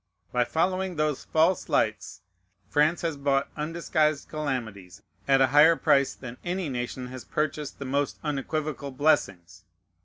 By following those false lights, France has bought undisguised calamities at a higher price than any nation has purchased the most unequivocal blessings.